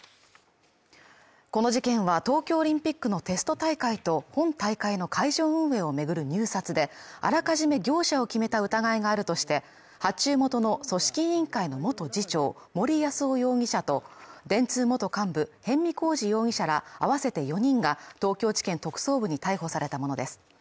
この事件は東京オリンピックのテスト大会と本大会の会場運営を巡る入札であらかじめ業者を決めた疑いがあるとして、発注元の組織委員会の元次長、森泰夫容疑者と、電通元幹部逸見晃治容疑者ら合わせて４人が東京地検特捜部に逮捕されたものです。